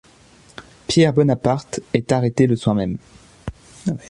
Pierre Bonaparte est arrêté le soir même.